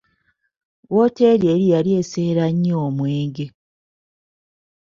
Wooteri eri yali esseera nnyo omwenge.